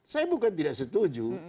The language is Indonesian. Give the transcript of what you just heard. saya bukan tidak setuju